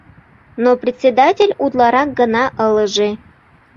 Но председатель утларак гына ылыже.